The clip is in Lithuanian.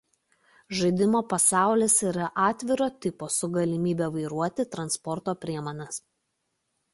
Žaidimo pasaulis yra atviro tipo su galimybe vairuoti transporto priemones.